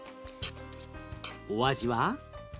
お味は？